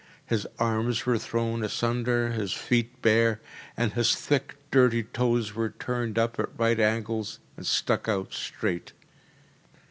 His arms were thrown asunder, his feet bare, and his thick, dirty toes were turned up at right angles and stuck out straight.